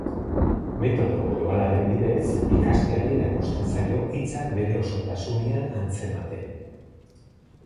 Metodo globalaren bidez ikasleari erakusten zaio hitzak bere osotasunean antzematen.